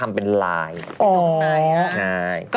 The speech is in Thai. อ่ะดัก